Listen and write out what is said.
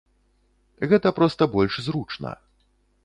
Гэта проста больш зручна.